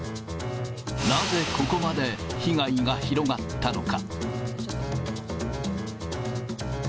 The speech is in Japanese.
なぜここまで被害が広がったのか。